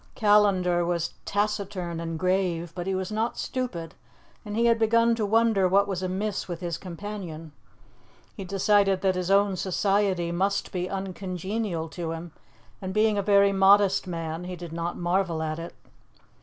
Callandar was taciturn and grave, but he was not stupid, and he had begun to wonder what was amiss with his companion. He decided that his own society must be uncongenial to him, and, being a very modest man, he did not marvel at it.